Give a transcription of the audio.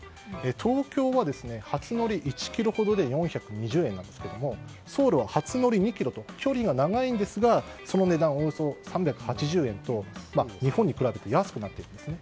東京は初乗り１ｋｍほどで４２０円なんですがソウルは初乗り２ｋｍと距離が長いんですがその値段はおよそ３８０円と日本に比べて安くなっています。